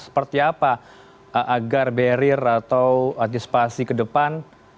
seperti apa agar berir atau disipasi ke depan